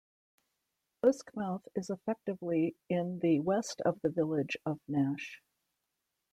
Uskmouth is effectively in the west of the village of Nash.